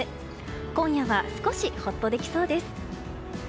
今夜は少しほっとできそうです。